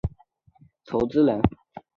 叶茂菁亦是电影电视剧制片人和投资人。